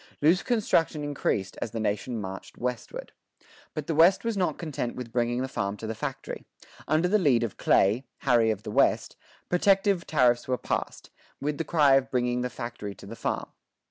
Loose construction increased as the nation marched westward.[25:1] But the West was not content with bringing the farm to the factory. Under the lead of Clay "Harry of the West" protective tariffs were passed, with the cry of bringing the factory to the farm.